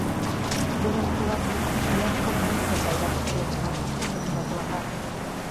Duela urte batzuk bularreko minbizia pairatu zuen artista estatubatuarrak.